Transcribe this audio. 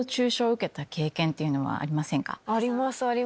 あります。